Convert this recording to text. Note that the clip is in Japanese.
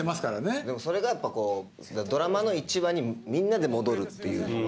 でもそれがドラマの１話にみんなで戻るっていうのが。